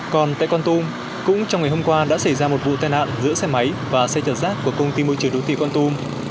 còn tại con tum cũng trong ngày hôm qua đã xảy ra một vụ tai nạn giữa xe máy và xe chở rác của công ty môi trường đô thị con tum